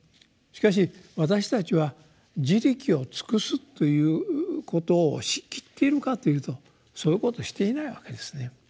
しかし私たちは「自力を尽くす」ということをしきっているかというとそういうことをしていないわけですね。